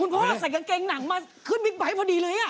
พ่อใส่กางเกงหนังมาขึ้นบิ๊กไบท์พอดีเลย